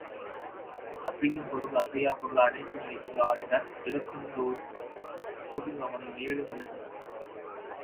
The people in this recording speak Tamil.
அசையும் பொருள் அசையாப்பொருள் அனைத்தும் வைத்து ஆடினான் இழக்கும்தோறும் குது அவனை மேலும் இழுத்தது.